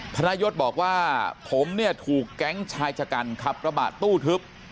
ธนายศบอกว่าผมเนี่ยถูกแก๊งชายชะกันขับกระบะตู้ทึบ